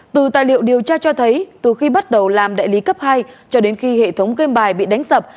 từ tài liệu điều tra cho thấy từ khi bắt đầu làm đại lý cấp hai cho đến khi hệ thống game bài bị đánh sập